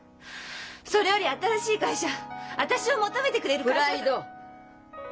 それより新しい会社私を求めてくれる会社。